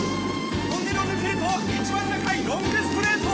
トンネルを抜けると一番長いロングストレート。